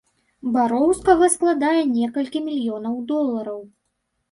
Бароўскага складае некалькі мільёнаў долараў.